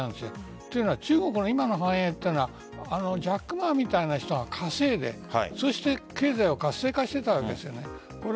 というのは中国の今の繁栄というのはジャック・マーみたいな人が稼いで、経済を活性化させていたわけですよね。